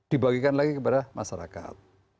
dibagikan lagi kepada masyarakat